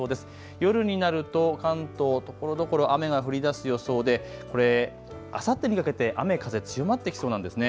夜になると関東ところどころ雨が降りだす予想であさってにかけて雨風強まってきそうなんですね。